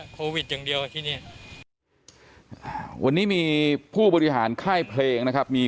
โควิดอย่างเดียวที่เนี้ยวันนี้มีผู้บริหารค่ายเพลงนะครับมี